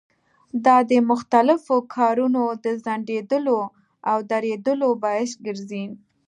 دا د مختلفو کارونو د ځنډېدلو او درېدلو باعث ګرځي.